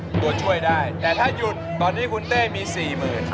ตัวช่วยได้แต่ถ้าหยุดตอนนี้คุณเต้มีสี่หมื่น